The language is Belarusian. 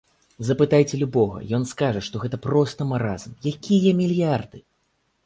Запытайце любога, ён скажа, што гэта проста маразм, якія мільярды?